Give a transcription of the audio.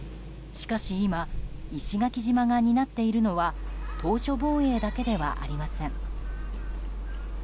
しかし今、石垣島が担っているのは島しょ防衛だけではありません。